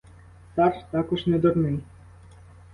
Цар також не дурний.